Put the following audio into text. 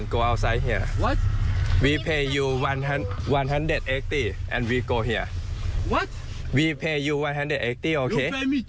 โอเค๒๐๐ยูโรแล้วก็ไปจากที่ใน